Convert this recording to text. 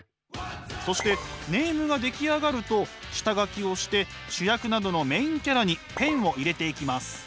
そしてネームが出来上がると下描きをして主役などのメインキャラにペンを入れていきます。